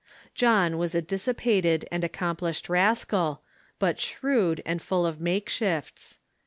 John Avas a dissipated and accomplished rascal, but shrewd and full of makeshifts.